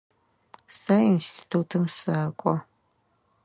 Сэ институтым сэкӏо.